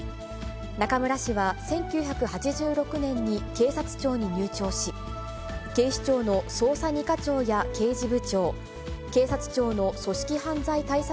中村氏は１９８６年に警察庁に入庁し、警視庁の捜査２課長や刑事部長、警察庁の組織犯罪対策